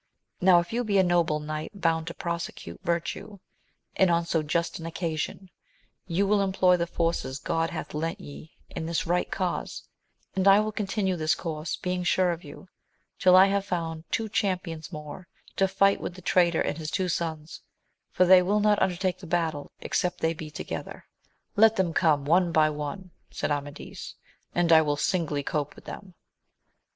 Now, if you be a noble knight bound to prosecute virtue, and on so just occasion, you will employ the forces God hath lent ye in this right cause; and I will continue this course, being sure of you, till I have found two champions more, to fight with the traitor and his two sons, for they will not undertake the battle except they be to gether. Let them come one by one, said Amadis, and I will singly cope with them.